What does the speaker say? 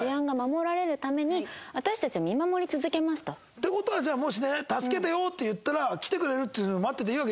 って事はじゃあもしね助けてよって言ったら来てくれる待ってていいわけですね？